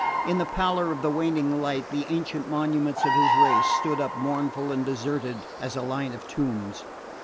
In the pallor of the waning night the ancient monuments of his race stood up mournful and deserted as a line of tombs.